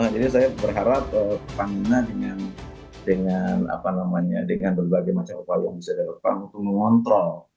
jadi saya berharap pamina dengan berbagai macam upaya yang bisa diadakan untuk mengontrol